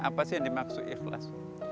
apa sih yang dimaksud ikhlas